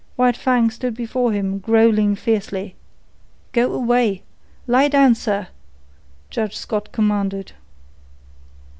White Fang stood before him, growling fiercely. "Go away! Lie down, sir!" Judge Scott commanded.